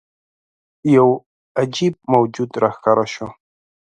یوه عجيب موجود راښکاره شو.